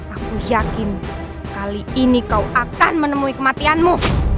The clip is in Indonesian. aku yakin kali ini kau akan menemui kematianmu